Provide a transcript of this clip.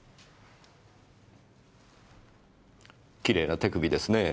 きれいな手首ですねぇ。